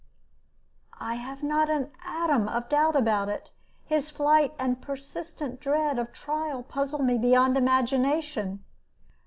"I have not an atom of doubt about it. His flight and persistent dread of trial puzzle me beyond imagination.